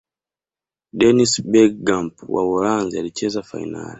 dennis berkgamp wa uholanzi alicheza fainali